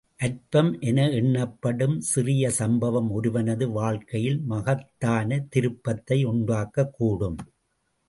அற்பம் என எண்ணப்படும் சிறிய சம்பவம், ஒருவனது வாழ்க்கையில் மகத்தான திருப்பத்தை உண்டாக்கக்கூடும்.